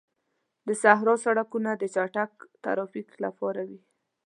د صحرا سړکونه د چټک ترافیک لپاره وي.